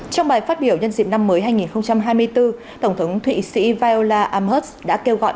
trong bài phát biểu nhân dịp năm mới hai nghìn hai mươi bốn tổng thống thụy sĩ viollah amers đã kêu gọi